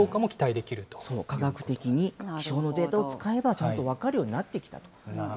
科学的に気象のデータを使えば、ちゃんとわかるようになってきたと。